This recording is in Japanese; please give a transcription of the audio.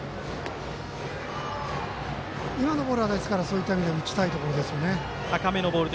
今のボールは、ですからそういった意味でも打ちたいところですよね。